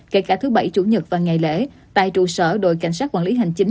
kể cả thứ bảy chủ nhật và ngày lễ tại trụ sở đội cảnh sát quản lý hành chính